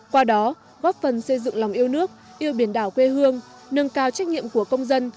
qua đó góp phần xây dựng lòng yêu nước yêu biển đảo quê hương nâng cao trách nhiệm của công dân